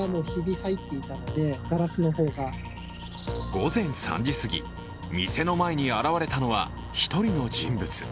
午前３時すぎ、店の前に現れたのは１人の人物。